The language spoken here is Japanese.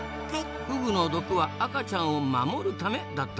フグの毒は赤ちゃんを守るためだったんですぞ。